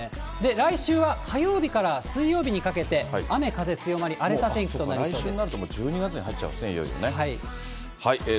来週は火曜日から水曜日にかけて、雨風強まり、荒れた天気となりそうです。